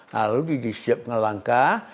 lalu disiapkan langkah